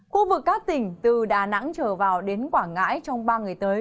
khu vực các tỉnh từ đà nẵng trở vào đến quảng ngãi trong ba ngày tới